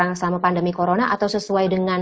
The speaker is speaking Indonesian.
yang selama pandemi corona atau sesuai dengan